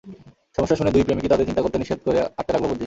সমস্যা শুনে দুই প্রেমিকই তাদের চিন্তা করতে নিষেধ করে আঁটতে লাগল বুদ্ধি।